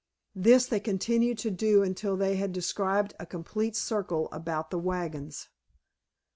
This they continued to do until they had described a complete circle about the wagons.